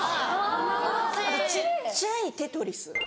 ・あと小っちゃいテトリス。